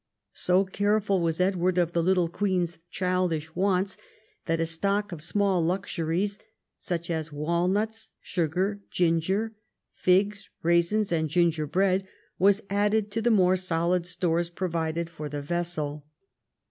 So careful was Edward of the little queen's childish wants that a stock of small luxuries — such as walnuts, sugar, ginger, figs, raisins, and gingerbread — was added to the more solid stores provided for the vessel.